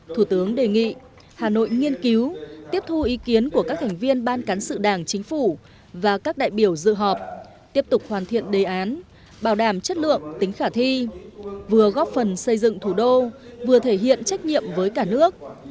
thủ tướng đề nghị hà nội nghiên cứu tiếp thu ý kiến của các thành viên ban cán sự đảng chính phủ và các đại biểu dự họp tiếp tục hoàn thiện đề án bảo đảm chất lượng tính khả thi vừa góp phần xây dựng thủ đô vừa thể hiện trách nhiệm với cả nước